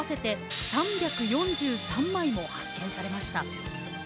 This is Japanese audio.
合わせて３４３枚も発見されました。